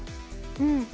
うん。